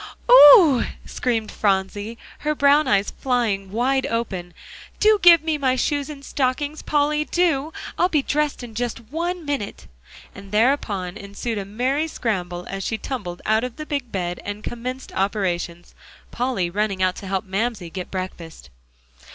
"O oh!" screamed Phronsie, her brown eyes flying wide open, "do give me my shoes and stockings, Polly, do! I'll be dressed in just one minute," and thereupon ensued a merry scramble as she tumbled out of the big bed, and commenced operations, Polly running out to help Mamsie get the breakfast.